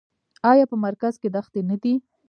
آیا په مرکز کې دښتې نه دي؟